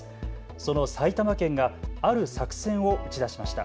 その埼玉県がある作戦を打ち出しました。